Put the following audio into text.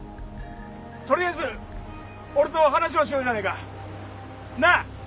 とりあえず俺と話をしようじゃないか。なあ？